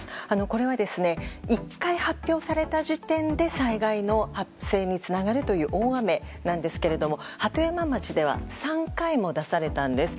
これは１回発表された時点で災害の発生につながる大雨なんですが鳩山町では３回も出されたんです。